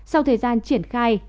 sau thời gian triển khai